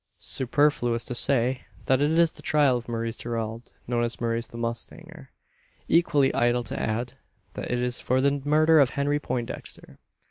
Superfluous to say that it is the trial of Maurice Gerald known as Maurice the mustanger. Equally idle to add, that it is for the murder of Henry Poindexter.